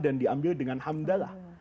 dan diambil dengan hamdallah